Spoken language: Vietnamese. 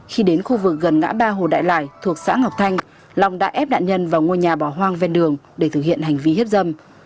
khi đến khu vực gần ngã ba hồ đại lài thuộc xã ngọc thanh long đã ép nạn nhân vào ngôi nhà bỏ hoang ven đường để thực hiện hành vi hiếp dâm